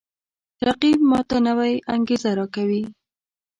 رقیب ما ته نوی انگیزه راکوي